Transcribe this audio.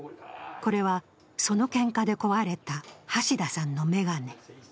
これはそのけんかで壊れた橋田さんの眼鏡。